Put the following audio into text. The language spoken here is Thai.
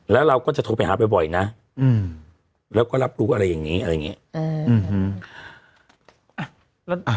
แล้วเราก็จะโทรไปหาบ่อยนะแล้วก็รับรู้อะไรอย่างนี้อะไรอย่างนี้